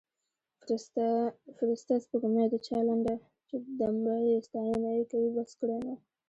فرسته سپوړمۍ د چا لنډه چې دمره یې ستاینه یې کوي بس کړﺉ نو